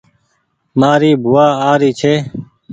مآري بووآ آ ري ڇي